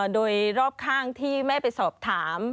โดยรอบข้างที่แม่ไปสอบถาม